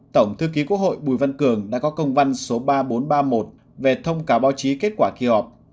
tổng thư ký quốc hội bùi văn cường đã có công văn số ba nghìn bốn trăm ba mươi một về thông cáo báo chí kết quả kỳ họp